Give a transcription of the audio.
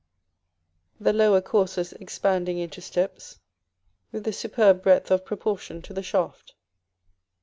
the lower courses expanding into steps, with a superb breadth of proportion to the shaft.